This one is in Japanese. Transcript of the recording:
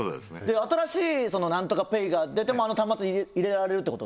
新しい何とかペイが出てもあの端末に入れられるってこと？